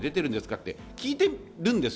って聞いてるんです。